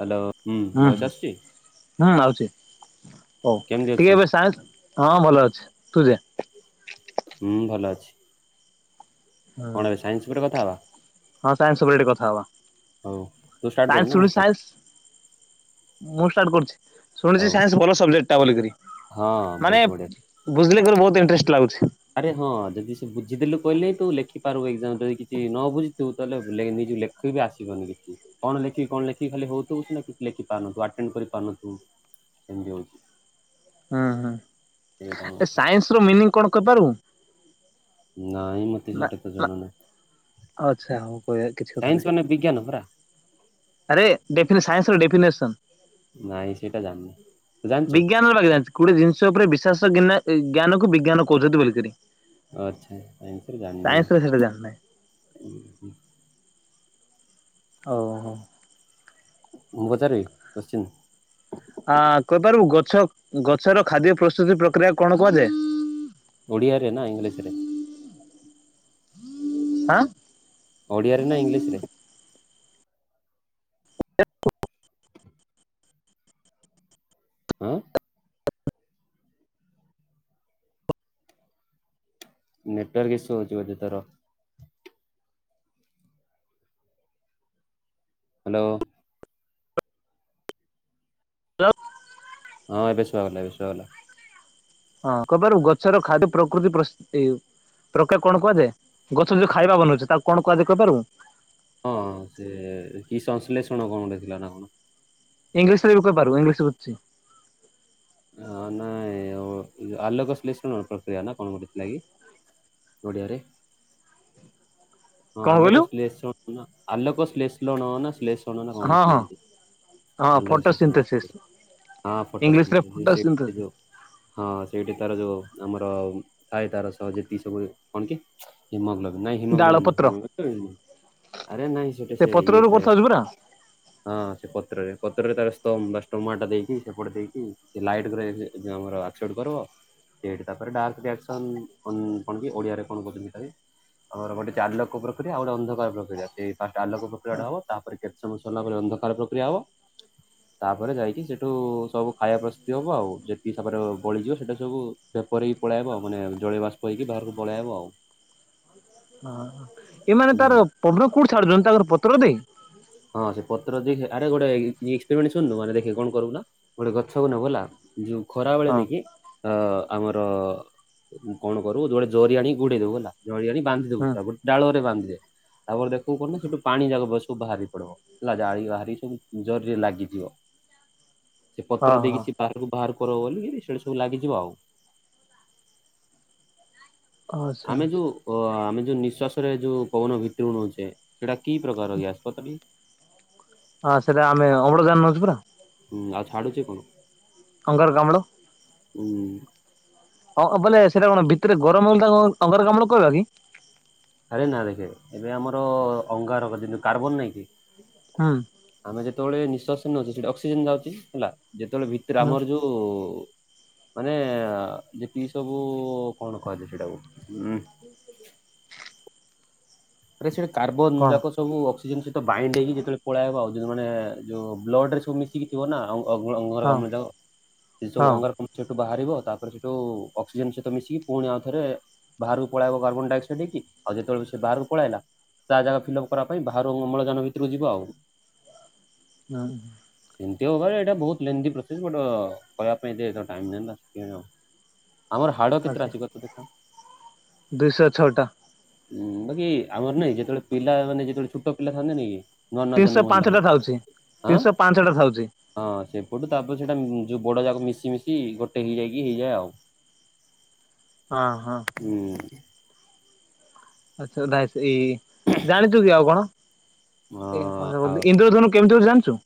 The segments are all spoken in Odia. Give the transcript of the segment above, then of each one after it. ହ୍ୟାଲୋ ହୁଁ ଭଏସ ହୁଁ ଆସୁଛି ହୁଁ ଆଉଛି ହଉ କେମିତି ଟିକେ ଅଛୁ? ଏବେ ସା ହଁ ଭଲ ଅଛି ତୁ ଯେ ହୁଁ ଭଲ ଅଛି। କଣ ଏବେ ସାଇନ୍ସ ଉପରେ କଥା ହେବା? ହଁ ସାଇନ୍ସ ଉପରେ ଟିକେ କଥା ହବା ହଉ ତୁ ଷ୍ଟାର୍ଟ କରିବୁ ସାଇନ୍ସ ନା ମୁଁ ଶୁଣୁଛି ଷ୍ଟାର୍ଟ ସାଇନ୍ସ। ମୁଁ ଷ୍ଟାର୍ଟ କରୁଛି ଶୁଣିଛି ହଉ ସାଇନ୍ସ ଭଲ ସବଜେକ୍ଟଟା ବୋଲିକରି ହଁ ମାନେ ବହୁତ ବଢିଆ ବୁଝିଲେ ବହୁତ ଇଣ୍ଟରେଷ୍ଟ ଲାଗୁଛି। ଆରେ ହଁ ଯଦି ସେ ବୁଝିଦେଲୁ କହିଲେ ତୁ ଲେଖିପାରିବୁ ଏକ୍ସାମରେ ଯଦି କିଛି ନ ବୁଝିିବ ତାହେଲେ ନି ହେଲେ ବି ଆସିବନି କିଛି କଣ ଲେଖିବି କଣ ଲେଖିବି ଖାଲି ହଉଥିବୁ କିଛି ନା ଲେଖିପାରିବୁନି ନା ଆଟେଣ୍ଡ୍ କରିପାରିବୁନି। [unintelligible] ହଉଛି ହୁଁ ହୁଁ ସେଇଟା ହିଁ ଏ କଥା ସାଇନ୍ସ ର ମିନିଂ କଣ କହିପାରୁ? ନାଇଁ ମତେ ସେଇଟା ତ ନା ଜଣ ନାହିଁ। ଆଚ୍ଛା ହଉ କିଛି କଥା ସାଇନ୍ସ ନାହିଁ। ମାନେ ବିଜ୍ଞାନ ପରା ଆରେ ସନ୍ସ ର ଡେଫିନେସନ୍। ନାଇଁ ସେଇଟା ଜାଣନି ତୁ ଜାଣିଛୁ? [unintelligible] ଗୋଟେ ଜିନିଷ ଉପରେ ବିଶ୍ୱାଷ ଜ୍ଞାନକୁୁ ବିଜ୍ଞାନ କହୁଛନ୍ତି ବୋଲିଲିକରି ଆଚଛା ଆାଇ ସ ରେ ସେଇଟା ଜାଣିନାହିଁ। ଜାଣିନି। ଓୋ ମୁ ପଚାରିବ କୋଶ୍ଚିନ? ଆଁ କହିପାରିବୁ ଗଛ ଗଛର ଖାଦ୍ୟ ପ୍ରସ୍ତୁତି ପ୍ରକ୍ରିୟା କଣ କୁହାଯାଏ? ଓଡ଼ିଆାରେରେ ନା ଇଂଲିଶ ରେ? ହଁ ଓଡିଆରେ ନା ଇଂଲିଶ ରେ? ହଁ ନେଟୱାର୍କ ଇସ୍ୟୁ ହେଉଛି ବୋଧେ ତର ହ୍ୟାଲୋ ହ୍ୟାଲୋ ହଁ ଏ ବେଶ ବାଲା ବେଶଲା ହଁ କପାରୁ ଗଛର ଖାଦ୍ୟ ପ୍ରକୃତି ପ୍ର ପ୍ରୋକେ କଣ କୁଯାଏ ଗଛ ଯୋଉ ଖାଇବା ବନଉଛି ତାକୁ କଣ କୁହାଯାଏ କହିପିବୁ? ହଁ ସେ କି ସଂଶ୍ଳେଷଣ କଣଟେ ଥିଲା ନା କଣ? ଇଂଲିଶ ରେ ବି କହିପାରୁ ଇଂଲିଶ ବୁଛି ହ ନାଇଁ ଆଲୋକ ଶ୍ଲେଷଣ ପ୍ରକ୍ରିୟା ନା କଣ କୋଟଥିଲାଗି ଓଡ଼ିଆରେ। [inaudible] ହଁ ଆଲୋକ କହିଲୁ? ସ୍ଲେସ ନ ଆଲୋକ ସ୍ଲେଶଣ ନା ସ୍ଲେସ୍ ଶ୍ଳେଷଣ ନା କଣ ହଁ ଗୋଟେ ହଁ ଥିଲା ଏମିତି ହଁ ଆଲୋକ ଫଟୋ ଶ୍ଳେଷଣ ସିନ୍ଥେସିସ୍। ହଁ ଫଟୋ ସୁ ଇଂଲିଶରେ ଯୋଉ ଫଟୋ ସିଏ ସିନ୍ଥେସିସ୍ [unintelligible] ହଁ ସେଇଠି ତାର ଯୋଉ ଆମର ଥାଏ ତାର ସହ ଯେତିକି ସବୁ କଣ ତି ହିମୋଗ୍ଲୋବିନ୍ ନାଇଁ ଡାଳ ହିମୋଗ୍ଲୋବିନ୍ ନୁହେଁ ପତ୍ର ହିମୋଗ୍ଲୋବିନ୍ ତ ଆରେ ନାଇଁ ସେଟା ସେ ଇଏ ପତ୍ରରୁ କଥା ଥାଏ। ହଉଛୁ ପରା। ହଁ ସେ ପତ୍ରରେ ପତ୍ରରେ ତାର ସ୍ତମ୍ ବା ଷ୍ଟୋମାଟୋ ଦେଇକି ସେପଟେ ଦେଇକି ସେ ଲାଇଟ୍ ପୂରା ଏ ଯୋଉ ଯୋଉ ଆମର ଆସେପ୍ଟ କରିବ। ସେଇଠି ତାପରେ ଡାର୍କ ରିଏକ୍ସନ କ କଣ କି ଓଡିଆରେ କଣ କୁହନ୍ତି ତାକୁ ତାପରେ ହଉଚି ଗୋଟେ ଆଲୋକ ପ୍ରକ୍ରିୟା ଆଉ ଗୋଟେ ଅନ୍ଧକାର ପ୍ରକ୍ରିୟା, ସେଇ ଫାଷ୍ଟ ଆଲୋକ ପ୍ରକ୍ରିୟାଟା ହବ ତାପରେ କେତେ ସମୟ ସରିଲା ପରେ ଅନ୍ଧକାର ପ୍ରକ୍ରିୟା ହବ। ତାପରେ ଯାଇକି ସେଠୁ ସବୁ ଖାଇବା ପ ତି ହବ ଆଉ, ଯେତିକିସାବରେ ବଳିଯିବ ସେଇଟା ସବୁ ଭେପର ହେଇ ପଳେଇଆଇବ। ଆଉ ମାନେ ଜଳୀୟ ବାଷ୍ପ ହେଇକି ବାହାରକୁ ପଳେଇ ଆଇବ ଆଉ। ହଁ ଏମାନେ ହୁଁ। ତାର ପବନ କୋଉଠି ଛାଡୁଛନ୍ତି ତାଙ୍କର ପତ୍ର ଦେଇ। ହଁ ସେ ପତ୍ର ଦେଇ ଆରେ ଗୋଟେ ଏକ୍ସପେରିମେଣ୍ଟ ଶୁଣୁନୁ ମାନେ ଦେଖେ କଣ କରିବୁ ନା ଗୋଟ ଗଛକୁ ନବୁ ହେଲା। ଯୋଉ ଖରାବେେଳେ ହଁ ନେଇକି ତ ଆମର କଣ କରିବୁ ଯୋଡେ ଜରି ଆଣିକି ଗୁଡେଇ ଦବୁ ହେଲା। ଜଳି ଆଣି ବାନ୍ଧି ଦବୁ ହୁଁ ତା ଗୋଟେ ଡାଳ ରେ ବାନ୍ଧିଦେ, ତାପରେ ଦେଖୁ କଣ ନା ସେଠୁ ପାଣି ଯାକ ବାଷ୍ପ ବାହାରି ପଡ଼ିବ ହେଲା ଜାଳି ବାହାରି ସବୁ ଜରିରେ ଲାଗିଯିବ। ସେ ହଁ ପତ୍ର ଦେଇକି ହଁ। ସେ ବାହାରକୁ ବାହାର କରବ ବୋଲିି ସେଇଟି ସବୁ ଲାଗିଯିବ ଆଉ। ଆଚ୍ଛା ଆମେ ଆଚ୍ଛା ଯୋଉ ଅ ଆମେ ଯୋଉ ନିଃଶ୍ଵାସରେ ଯୋଉ ପବନ ଭିତରକୁ ନଉଛେ। ସେଇଟା କି ପ୍ରକାର ଗ୍ୟାସ୍ କ ତ ଟିକେ। ହଁ ସେଇଟା ଆମେ ଅମ୍ଳଜାନ ନଉଛୁୁ ପରା। ହୁଁ ଆଉ ଛାଡ଼ୁଛି କଣ। ଅଙ୍ଗାରକାମ୍ଳ। ହୁଁ। ହଁ ଅ ବୋଲେ ସେଇଟା କଣ ଭିତରେ ଗରମ ହେଲେ କଣ ଅଙ୍ଗାରକାମ୍ଳ କୁହାଯାଏ କି? ଆରେ ନା ଦେଖେ ଏବେ ଆମର ଅଙ୍ଗାରକ ଯେମୁ କାର୍ବନ ନାଇଁ କି। ହଁ। ଆମେ ଯେତେବେଳେ ନିଶ୍ୱାସ ନଉଛେ ସେଠି ଅକ୍ସିଜେନ ଯାଉଛି ହେଲା। ଯେତେବେଳେ ଭିତରେ ହୁଁ ଆମର ଯୋଉ ମାନେ ଅ ଯେ ତିକୀ ସବୁ କଣ କୁହନ୍ତି ସେଟାକୁ। ଆରେ ସେଇଟା କାର୍ବନ କଣ ଯାକ ସ ସବୁ ଅକ୍ସିଜେନ ସହିତ ବାଇଣ୍ଡ ହେଇକି ଯେତେବେଳେ ପଳେଇଆଇବ ଆଉ। ମାନେ ଯଉ ବ୍ଲଡରେ ସବୁ ମିଶିକି ଥିବ ନା ଆଉ ଅ ଅଙ୍ଗ ଅଙ୍ଗର ହଁ କମ୍ଲ ଯାଙ୍କ ସେସବୁ ହଁ ଅଙ୍ଗର କା ସେଠୁ ବାହାରିବ, ତାପରେ ସେଠୁ ଅକ୍ସିଜେନ ସହିତ ମିଶିକି ପୁଣି ଆଉ ଥରେ ବାହାରକୁ ପଳେଇବ କାର୍ବନଡାଇକ୍ସାଇଡ ହେଇକି, ଆଉ ଯେତେବେଳେ ସେ ବାହାରକୁ ପଳାଇଲା, ତା ଜାଗା ଫିଲ୍ଅପ୍ କରା ପାଇଁ ବାହାରୁ ଅମ୍ଳଜାନ ଭିତରକୁ ଯିବ ଆଉ। ହ ସେମିତି ହବାର ଏଇଟା ବହୁତ ଲେନ୍ଥି ପ୍ରୋସେସ୍ ବଟ କହିଁବା ପାଇଁ ଏତେ ଟାଇମ୍ ନାହିଁ ତ ଆଉ କଣ। ଆମର ହାଡ କେତେଟା ଆଚ୍ଛା। ଅଛି କହ ତ ଦେଖ। ଦୁଇଶହ ଛଅଟା। ଉଁ ବାକି ଆମର ନାଇଁ ଯେତେବେଳେ ପିଲା ମାନେ ଯେତେବେଳେ ଛୋଟ ପିଲା ଥାନ୍ତେ ନାଇ କି? ନୂଆ ନୂଆ ତିନିଶହ ଜନ୍ମ ହେଲା ପାଞ୍ଚଟା ଥାଉଛି ହଁ ତିନିଶହ ପାଞ୍ଚଟା ଥାଉଛି। ହଁ ସେପଟୁ, ତାପରେ ସେଇଟା ଯୋଉ ବଡ ଯାକ ମିଶି ମିଶି ଗୋଟେ ହେଇଯାଇକି ହେଇଯାଏ ଆଉ। ହଁ ହଁ। ହୁଁ ଆଛା ଧାଇ ଶ୍ରୀ ଜାଣିଛୁ କି ଆଉ କଣ। ଏ କଣ ହଁ। ସେଟା କହୁଥିଲି ଇନ୍ଦ୍ରଧନୁ କେମତି ହୋଉଚି ଜାଣିଛୁ।?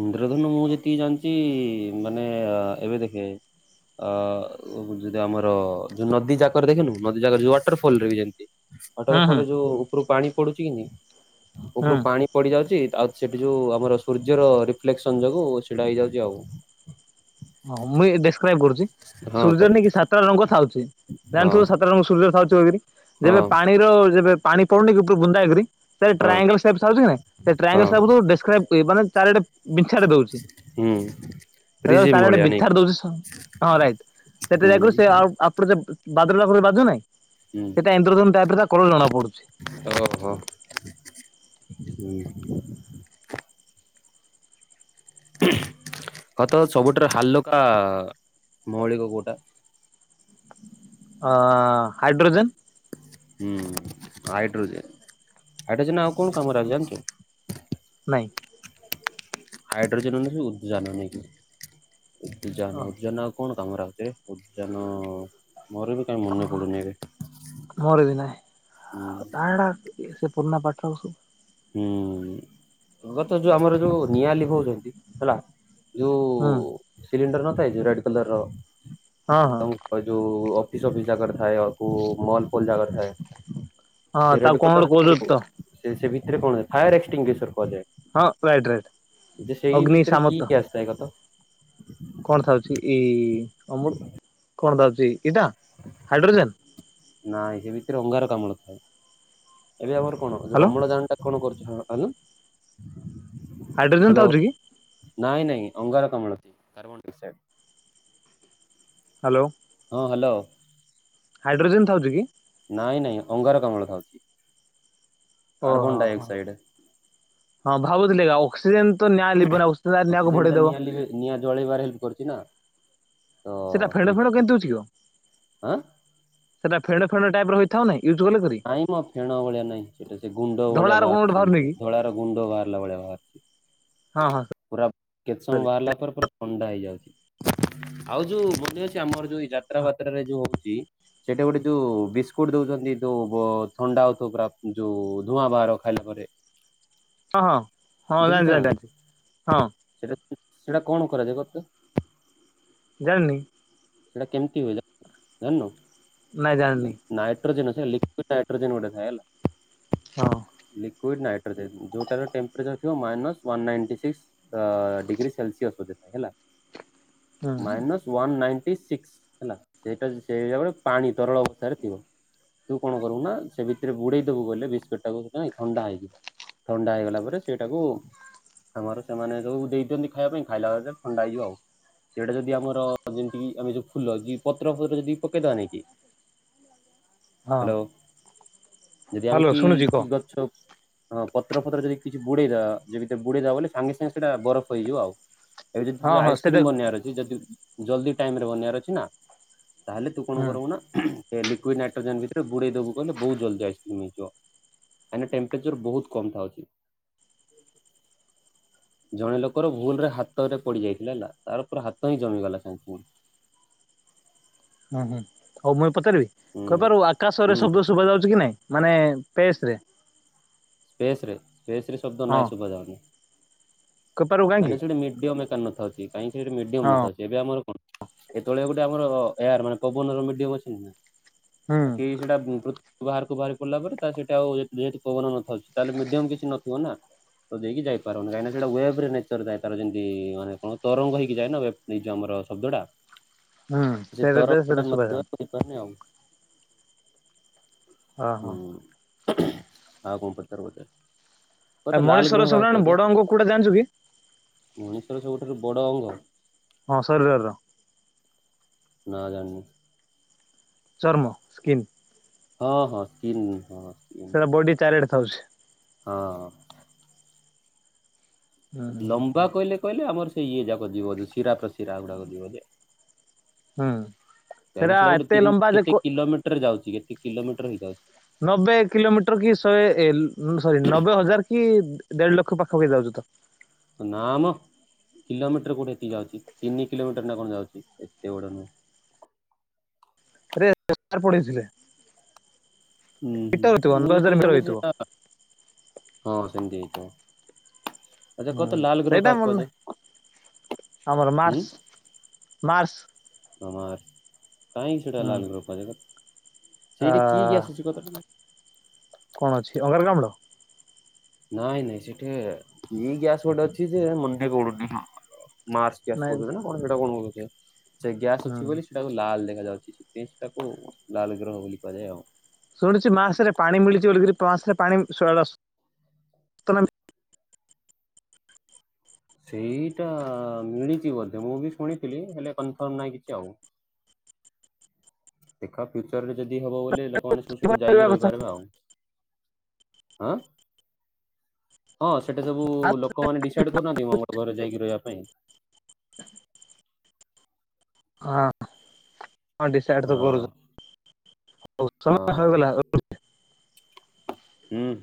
ଇନ୍ଦ୍ରଧନୁ ମୁଁ ଯେତିକି ଜାଣିଛି ମାନେ ଏବେ ଦେଖେ ଅ ଯଦି ଆମର ଯୋଉ ନଦୀ ଯାକର ଦେଖିନୁ ନଦୀ ଯାକ ଯ ୱାଟରଫଲ ରେ ବି ଯେମିତି ହାଟର ହୁଁ ହୁଁ ଫଲ ଯୋଉ ଉପରୁ ପାଣି ପଡୁଛି କି ନେ ହୁଁ ଉପରୁ ପାଣି ପଡି ଯାଉଛି ଆଉ ସେଠି ଯୋଉ ଆମର ସୂର୍ଯ୍ୟର ରିଫ୍ଲେକ୍ସନ ଯୋଗୁଁ ସେଟା ହେଇଯାଉଛି ଆଉ ହଁ ମୁଁ ଏଇ ଡେସକ୍ରାଇବ କରୁଛି ହଁ ସୂର୍ଯ୍ୟ କରେ ନେଇ କି ସାତଟା ରଙ୍ଗ ଥାଉଛି ହଁ ଜାଣିଥିବୁ ସା [unintelligible] ଛି ହଁ ଯେବେ ପାଣିର ଯେବେ ପାଣି ପଡୁନି କି ଉପରୁ ବୁନ୍ଦାରି ସେ ହଁ ଟ୍ରାଙ୍ଗଲଛି ନା ସେ ହଁ ଟ୍ରାଙ୍ଗଲପାନେ [unintelligible] ଚାରିଟେ ବିଛାଡି ଦଉଛି ହୁଁ ସେତେବେଳେ ପ୍ରିଜିମ୍ ଚାରିଆଡେ ଭଳିଆ ନେଇ ବିଛାର ଦଉଛି ହଁ ରାଇଟ୍ ସେଟା ହୁଁ ଯାଇକୁ ସେ ଆ ଆପଣ ବାଦ୍ର ପାଖରେ ବାଜୁ ନହିଁ ହୁଁ ସେଇଟା ଇନ୍ଦ୍ରଧନୁ ଦ୍ର ତା କଲ ଜଣା ପଡୁଛି। ଓହୋ ହୁଁ କତ ସବୁଠାରୁ ହାକୁକା ମୌଳିକ କୋଉଟା? ଅ ହାଇଡ୍ରୋଜେନ୍ ହୁଁ ହାଇଡ୍ରୋଜେନ ହାଇଡ୍ରୋଜେନ ଆଉ କଣ କାମରେ ଆସେ ଜାଣିଛୁ। ନାହି ହାଇଡ୍ରୋଜେନ ଉଜାନ ନେଇକି ଓ ଉଜାନ ଉଦଜନ ଆଉ କଣ କାମରେଛେ ଉଦ୍ୟାନ ମୋର ବି କାହିଁ ମନେ ପଡୁନି ଏବେ ନ ହୁଁ [unintelligible] ସେ ପୁରୁଣା ପାଠ ସବୁ ହୁଁଗତ ଯୋଉ ଆମର ଯୋଉ ନିଆ ଲିଭହୁଛନ୍ତି ହେଲା ହୁଁ ଯୋଉ ସିଲିଣ୍ଡର ନଥାଏ ଯୋଉ ରେଡ କଲର ହଁ ହଁ ର ଯୋଉ ଅଫିସ ଅଫିସ ଜାଗାରେ ଥାଏ କଉ ମଲ ଫଲ ଜାଗାରେ ଥାଏ। ହଁ ସେ ତାକୁ ରେଡ କଣ ଗୋଟେ କଲର କହୁଛନ୍ତି ଯୋ ତ। ସେ ସେ ଭିତରେ କଣଏ ଫାୟାର ଏକ୍ସଟିସର କୁହାଯାଏ। ହଁ ପ୍ରାଇଡରେଡ଼ ଯେ ସେଇ ଅଗ୍ନି ଭିତରେ କି ସାମତ ଗ୍ୟାସ ଥାଏ କତ କଣ ଥାଉଛି ଏଇ ଅମୁଳ କଣ ଧାଉଛି ଏଇଟା ହାଇଡ୍ରୋଜେନ ନାଇଁ ସେ ଭିତରେ ଅଙ୍ଗାର କାମଳ ଥାଏ ଏବେ ଆମର କଣ ଯୋଉ ହ୍ୟାଲୋ ଅମ୍ଳଜାନ ଟା କଣ କରୁଛ ହଁ ଆନୁ ହାଇଡ୍ରୋଜନ ଥାଉଛ କି। ନାଇଁ ନାଇଁ ଅଙ୍ଗାରକାମ୍ଳ୍ କାର୍ବନ ଡାଇକ୍ସାଇଡ। ହ୍ୟାଲୋ। ହଁ ହ୍ୟାଲୋ। ହାଇଡ୍ରୋଜେନ ଥାଉଛି କି। ନାଇଁ ନାଇଁ ଅଙ୍ଗାର କାମଳ ଖାଉଛି ଓହୋ କାର୍ବନ ହୋ ଡାଇଅକ୍ସାଇଡ। ହଁ ଖାଉଥିଲି ଆଉ ଅକ୍ସିଜେନ ତ ନିଆଁ ଲିବର ନା ଅକ୍ସିଜେନ ନିକୁ ଟା ଭଢେଇଦବ। ନିଆଁ ନିଆଁ ଜଳେଇବାର ହେଲ୍ପ କରୁଛି ନା। ତ ସେଇଟା ଫେଣ୍ ସେଇ ଫେଣ୍ କେମତି ହଉଛି କ, ଆଁ ସେଇଟା ଫେଣ୍ ଫେଣ୍ ଟାଇପ ର ହେଇଥାଉ ନା ୟୁଜ୍ କଲେ କରି। ନାଇ ମ ଫେଣ ଭଳିଆ ନାହିଁ ସେଟା ସେ ଗୁଣ୍ଡ ଭଳିଆ ଧଳାର କଣ ଗୋଟେ ବାହାରୁନି ବାହାରୁଛି କି ଧଳାର ଗୁଣ୍ଡ ବାହାରିଲା ଭଳିଆ ବାହାରୁଛି। ହଁ ହଁ। ପୁରା କେତେ ସମୟ ବାହାରିଲା ପରେ ପୁରା ଥଣ୍ଡା ହେଇଯାଉଛି। ଆଉ ଯୋଉ ମନେ ଅଛି ଆମର ଯୋଉ ଏଇ ଯାତ୍ରା ବାତ୍ରରେ ଯୋଉ ହଉଛି ସେଇଟା ଗୋଟେ ଯୋଉ ବିସ୍କୁଟ ଦଉଛନ୍ତି ଯୋଉ ବ ଥଣ୍ଡା ହଉଥିବ ପୁରା ଯୋଉ ଧୂଆଁ ବାହାର ଖାଇଲା ପରେ। ହଁ ହଁ ହଁ ଦେଖିଛ ନା ଜାଣିଛି ଜାଣିଛି ଜାଣିଛି ହଁ ନାଇଁ ସେଟା ସେଟା କଣ କରାଯାଏ କହତ। ଜାଣନି। ସେଟା କେମିତି ହୁଏ ଜାନ ନାଇଁ ଜାଣିନି ଜଣିିନୁ ନାଇଟ୍ରୋଜେନ ଲିକ୍ଵିଡ ହାଇଟ୍ରୋଜନ ଗୋଟେ ଥାଏ ହେଲା। ହଁ। ଲିକ୍ୱଇଡ୍ ନାଇଟ୍ରୋଜେନ ଯୋଉଟାର ଟେମ୍ପରେଚର ଥିବ minus one ninety six. Degree Celsius ବୋଧେ ହେଲା ହୁଁ ମାଇନସ୍ ୱାନ୍ ନାଇଟି ସିକ୍ସ ହେଲା ସେଇଟା ସେଟ ଗୋଟେ ପାଣି ତରଳ ଅବସ୍ଥାରେ ଥିବ। ତୁ କଣ କରିବୁ ନା ସେ ଭିତରେ ବୁଡେଇଦବୁ ବଲେ ବିସ୍କୁଟ ଟାକୁ ନାଇ ଥଣ୍ଡା ହେଇଯିବ। ଥଣ୍ଡା ହେଇଗଲା ପରେ ସେଇଟାକୁ ଆମର ସେମାନେ ସବୁ ଦେଇଛନ୍ତି ଖାଇବା ପାଇଁ ଖାଇଲା ବେଳେ ଥଣ୍ଡା ହେଇଯିବ ଆଉ। ସେଇଟା ଯଦି ଆମର ଯେମତି କି ଆମେ ଯୋଉ ଫୁଲ ଯ ପତ୍ର ଫତ୍ର ଯଦି ପକେଇଦବା ନାଇ କି। ହଁ ହ୍ୟାଲୋ, ଯଦି ଆମେ ହ୍ୟାଲୋ କି ଶୁଣୁଛି କି କହ ଗଛ। ହଁ ପତ୍ର ଫତ୍ର ଯଦି କିଛି ବୁଡେଇଦବା ଯଦି ବୁଡେଇଦବା ବୋଲେ ସାଙ୍ଗେ ସାଙ୍ଗେ ସେଇଟା ବରଫ ହେଇଯିବ ଆଉ ଏବେ ହଁ ଯଦି ହଁ ସେଟା ଆଇସ୍କ୍ରିମ ବନେଇବାର ଅଛି ଯଦି ଜଲଦି ଟାଇମ ରେ ବନେଇବାର ଅଛି ନା ତାହେଲେ ତୁ କଣ ହୁଁ କରିବୁ ନା ଲିକୁଇଡ ନାଇଟ୍ରୋଜେନ ଭିତରେ ବୁଡେଇଦବୁ କହିଲେ ବହୁତ ଜଲ୍ଦି ଆଇସ୍କ୍ରିମ୍ ହେଇଯିବ। କାଇଁକିନା ଟେମ୍ପ୍ରେଚର ବହୁତ କମ ଖାଉଛି। [inaudible] ଜଣେ ଲୋକର ଭୁଲ ରେ ହାତରେ ପଡି ଯାଇଥିଲା ହେଲା ତାର ପୁରା ହାତ ହିଁ ଜଳିଗଲା ସାଙ୍ଗେ ସାଙ୍ଗେ। ହୁଁ ହୁଁ ହଉ ମୁଁ ଏବେ ପଚାରିବି ହୁଁ କହିପାରୁିବ ଆକାଶରେ ହୁଁ ଶବୁ ଶୁଭାଯାଉଛି କି ନାଇଁ। ମାନେ ପେସ୍ ରେ। ସ୍ପେସ ରେ ସ୍ପେସ ରେ ଶବ୍ଦ ହଁ ନାଇ ଶୁଭା ଯାଉନି। କହିପାରିବୁ କାଇଁକନା କାହିଁକି ସେଠେ ମିଡିଅମ ମେକା ନଥାଉଛି କାଇଁକିନା ସେଠେ ମିଡିଅମ ହଁ ନ ଥାଉଛି। ଏବେ ଆମର କଣ ଏତେବେଳେ ଗୋଟେ ଆମର ଏୟାର ମାନେ ପବନର ମିଡିଅମ ଅଛି ନା ନାଇଁ। ହୁଁ କେଇ ସେଇଟା ବୋହୁତ ବାହାରକୁ ବାହାରି ପଡିଲା ପରେ ତା ସେଇଟା ଆଉ ଯେହେତୁ ପବନ ନଥାଉଛି। ତାହେଲେ ମିଡିୟମ କିଛି ନଥିବ ନା। ଦେଇକି ଯାଇପାରୁନି କାହିଁକି ସେଟା ୱେବ୍ ନେଚର୍ ଯାଏ ଯେମିତି ମାନେ କଣ ତରଙ୍ଗ ହେଇିକି ଯଏ ନା ବ୍ ଆ ଯୋଉ ଆମର ଶବ୍ଦଟା। ହୁଁ ସେଇଟଦେ ସେଇଟା ଶୁଭା ଯାଉନି। ନେବାନି ଆଉ, ହୁଁ। ହଁ ହଁ ଆଉ କଣ ପଚାରିବୁ ପଚାରେ। ଆଉ ମଣିଷର ସବୁଠାରୁ ବଡ ଅଙ୍ଗ କୋଉଟା ଜାଣିଛୁ କି? ମଣିଷର ସବୁଠାରୁ ବଡ଼ ଅଙ୍ଗ। ହଁ ଶରୀର ର। ନା ଜାଣିନି। ଚର୍ମ ସ୍କିନ୍। ହଁ ହଁ ସ୍କିନ୍ କଣ ସ୍କିନ୍। ସେଇଟା ବଡି ଚାରି ଆଡ଼େ ଖାଉଛି। ହଁ। ହୁଁ ଲମ୍ବା କହିଲେ କହିଲେ ଆମର ସେଇ ଇଏ ଯାକ ଯିବ ଯୋଉ ଶିରା ପ୍ରଶି ଶିରା ଉଡାକ ଯିବଯେ ହୁଁ କାଇଁକିନା ସେଟା ସେଇଡା ଗୋଟେ ଏତେ ତି ଲମ୍ବା ଯେ କେତେ କୋ କିଲମି ଟରେ ଯାଉଛି କେତେ କିଲୋମିଟର ହିଁ ଯାଉଛି। ନବେ କିଲୋମିଟର କି ଶହେ ଏ ସରି ନବେ ହଜାର କି ଦେଢ ଲକ୍ଷ ପାଖା ପାଖି ଯାଉଛୁ ତ। ନା ମ କିଲୋମିଟର କୋଉଠି ଏତିକି ଯାଉଛି ତିନି କିଲୋମିଟର ନା କଣ ଯାଉଛି ଏତେ ଗୁଡା ନୁହଁ। ରେ [inaudible] ପଢେଇଥିଲେ। ଉଁ ମିଟର ହୁଁ ହେଇଥିବ ମୁଁ ନବେ ହଜାର ଯେତିିକି ମିଟର ଜାଣିଛି ହେଇଥିବ ସେଟା ହଁ ସେମିତି ହେଇଥିବ। ଆଚ୍ଛା କହ ତ ହୁଁ ଲାଲ ଗ୍ରହ ସେଇଟା କାହାକୁ ମନେ କୁହାଯାଏ? ଆମର ଉଁ ମାର୍ସ ମାର୍ସ ଅମାର କାହିଁକି ସେଟା ଲାଲଗ୍ରହ କୁହାଯାଏ ଆ ସେଇଠେ କିଏ କିଏ ଆସୁଛି କହ ତ ଟିକେ। କଣ ଅଛି ଅଙ୍ଗାରକାମ୍ଲ। ନାଇଁ ନାଇଁ ସେଠେ କି ଗ୍ୟାସ ଗୋଟେ ଅଛି ଯେ ମଣ୍ଡି ପଡୁନି। ମାର୍ଚ୍ଚ ଗ୍ୟାସ୍ ନାଇଁ କହୁଛନ୍ତି ନା କଣ ସେଟା କଣ କହୁ ସେ ଗ୍ୟାସ୍ ଅଛି ହୁଁ ବୋଲି ସେଟା ଲାଲ ଦେଖାଯାଉଛି ସେଥିପାଇଁ ସେଟାକୁ ଲାଲ ଗ୍ରହ ବୋଲି କୁହାଯାଏ ଆଉ। ଶୁଣିୁଛି ମାସରେ ପାଣି ମିଳିଚି ବୋଲିକିରି ମାସରେ ପାଣି [unintelligible] ସତ ନା ମି ସେଇଟା ମିଳିଛି ବୋଧେ ମୁଁ ବି ଶୁଣିଥିଲି ହେଲେ କନଫର୍ମ ନାହିଁ କିଛି ଆଉ। ଦେଖବା ଫ୍ୟୁଚର ରେ ଯଦି ହବ ବୋଲେ ଲୋକମାନେ ସୁବୁ ସୁଠାକୁ ଯାଇକି କରିବା କଥା ରହିପାରିବା ଆଉ। ଆଁ ହଁ ସେଟି ସବୁ ଲୋକମାନେ ଡିସାଇଡ କରୁନାହାନ୍ତି ମଙ୍ଗଳ ଗ୍ରହରେ ଯାଇକି ରହିବା ପାଇଁ। [inaudible] ହଁ ହଁ ଡିସାଇଡ ତ ହଁ କରୁଛ ସମୟ ହଁ ହେଇଗଲା। ହୁଁ।